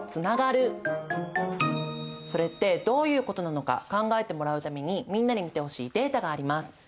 それってどういうことなのか考えてもらうためにみんなに見てほしいデータがあります。